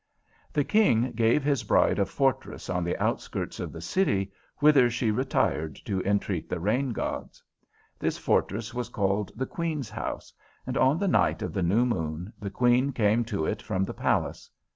The King gave his bride a fortress on the outskirts of the city, whither she retired to entreat the rain gods. This fortress was called the Queen's House, and on the night of the new moon the Queen came to it from the palace.